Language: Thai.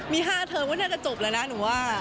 มี๕เทอมก็น่าจะจบแล้วนะหนูว่า